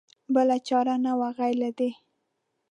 بله چاره نه وه غیر له دې.